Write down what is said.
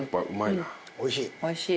おいしい。